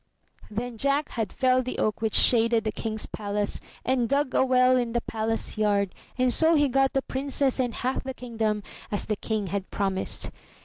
Then Jack had felled the oak which shaded the King's palace, and dug a well in the palace yard and so he got the Princess and half the kingdom, as the King had promised.